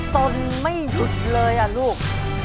ตนไม่หยุดเลยอ่ะลูก